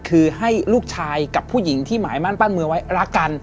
คือให้ลูกชายกับผู้หญิงที่หมายมั่นปั้นมือไว้รักกัน